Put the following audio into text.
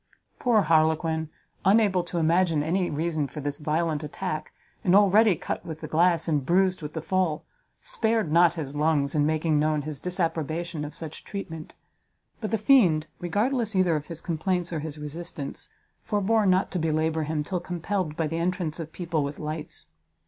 Poor Harlequin, unable to imagine any reason for this violent attack, and already cut with the glass, and bruised with the fall, spared not his lungs in making known his disapprobation of such treatment: but the fiend, regardless either of his complaints or his resistance, forbore not to belabour him till compelled by the entrance of people with lights.